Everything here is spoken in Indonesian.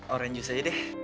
orange juice aja deh